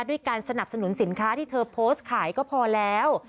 การสนับสนุนสินค้าที่เธอโพสต์ขายก็พอแล้ว